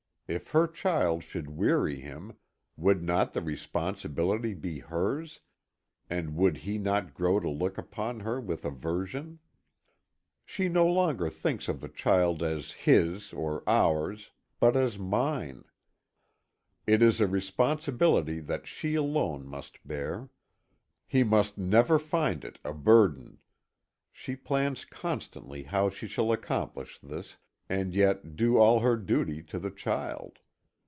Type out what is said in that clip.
If her child should weary him, would not the responsibility be hers, and would he not grow to look upon her with aversion? She no longer thinks of the child as his, or "ours," but as "mine." It is a responsibility that she alone must bear. He must never find it a burden. She plans constantly how she shall accomplish this, and yet do all her duty to the child.